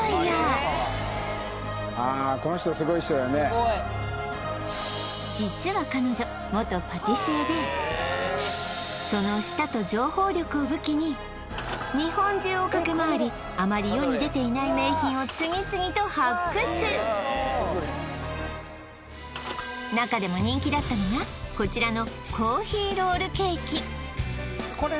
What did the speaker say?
すごい実は彼女その舌と情報力を武器に日本中を駆け回りあまり世に出ていない名品を次々と発掘中でも人気だったのがこちらの珈琲ロールケーキ